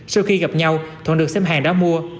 sau khi gặp nhau thuận được xem hàng đó mua